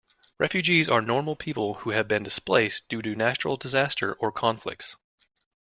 Refugees are normal people who have been displaced due to natural disaster or conflicts